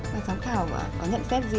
ban giám khảo có nhận xét gì